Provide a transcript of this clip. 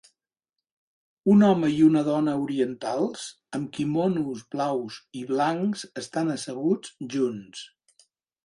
Un home i una dona orientals amb quimonos blaus i blancs estan asseguts junts.